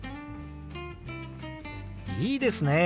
いいですね。